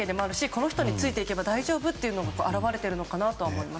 この人についていけば大丈夫というのが表れていると思います。